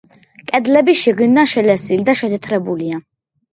კედლები შიგნიდან შელესილი და შეთეთრებულია.